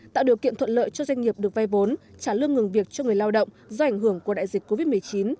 tạo điều kiện thuận lợi cho doanh nghiệp được vay vốn trả lương ngừng việc cho người lao động do ảnh hưởng của đại dịch covid một mươi chín